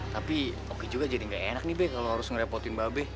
tapi okey juga jadi gak enak nih be kalau harus ngerepotin mba be